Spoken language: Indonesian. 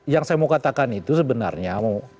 yang saya mau katakan itu sebenarnya